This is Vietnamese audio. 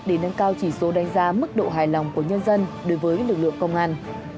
để nâng cao chỉ số đánh giá mức độ hài lòng của nhân dân đối với lực lượng công an